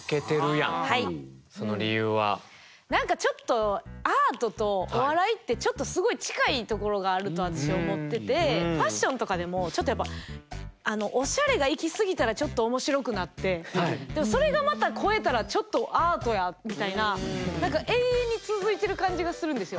何かちょっとアートとお笑いってすごい近いところがあると私思っててファッションとかでもちょっとやっぱおしゃれがいきすぎたらちょっと面白くなってそれがまた越えたらちょっとアートやみたいな何か永遠に続いてる感じがするんですよ。